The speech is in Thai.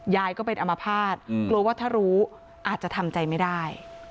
ยายก็เป็นอมภาษณ์กลัวว่าถ้ารู้อาจจะทำใจไม่ได้